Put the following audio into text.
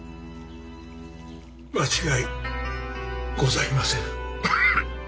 間違いございません。